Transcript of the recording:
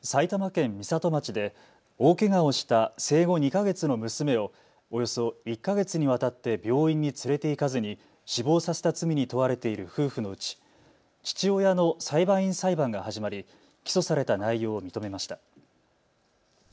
埼玉県美里町で大けがをした生後２か月の娘をおよそ１か月にわたって病院に連れていかずに死亡させた罪に問われている夫婦のうち、父親の裁判員裁判が始まり起訴された内容を認めました。